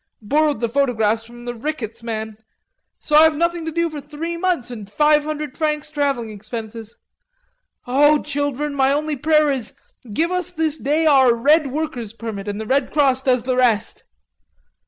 Borrowed the photographs from the rickets man. So I have nothing to do for three months and five hundred francs travelling expenses. Oh, children, my only prayer is 'give us this day our red worker's permit' and the Red Cross does the rest."